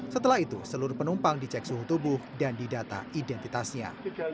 setelah itu seluruh penumpang dicek suhu tubuh dan didata identitasnya